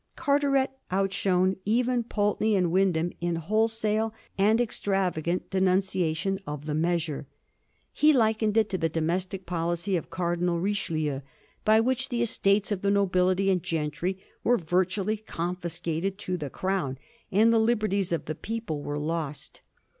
Carteret outshone even Pulteney and Wyndham in wholesale and extravagant denunciation of the measure. He likened it to the domestic policy of Cardinal Richelieu, by which the estates of the nobQity and gentry were virtually confiscated to the Crown, and the liberties of the people were lost.